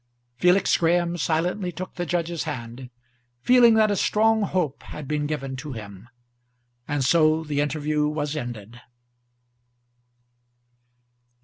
Felix Graham silently took the judge's hand, feeling that a strong hope had been given to him, and so the interview was ended.